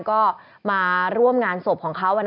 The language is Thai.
ก็มาร่วมงานศพของเขา